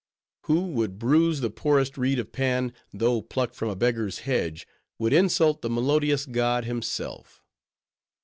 Who would bruise the poorest reed of Pan, though plucked from a beggar's hedge, would insult the melodious god himself.